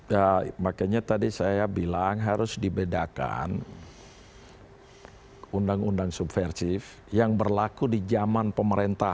ya makanya tadi saya bilang harus dibedakan undang undang subversif yang berlaku di zaman pemerintah